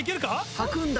履くんだ。